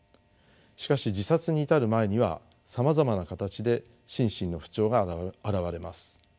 しかし自殺に至る前にはさまざまな形で心身の不調が現れます。